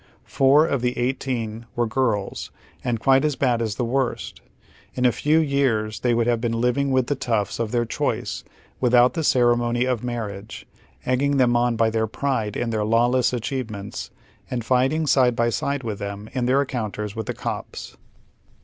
Four of the eighteen were girls and quite as bad as the worst. In a few years they would have been living with the toughs of their choice without the ceremony of a marriage, egging them on by their pride in their lawless achievements, and fight ing side by side witli them in their encounters with the " cops."